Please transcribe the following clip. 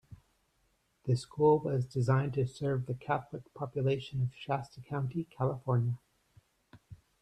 The school was designed to serve the Catholic population of Shasta County, California.